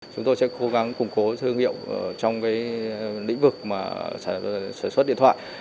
chúng tôi sẽ cố gắng củng cố thương hiệu trong lĩnh vực sản xuất điện thoại